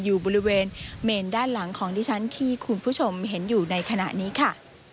อยู่บริเวณเมนด้านหลังของดิฉันที่คุณผู้ชมเห็นอยู่ในขณะนี้ค่ะ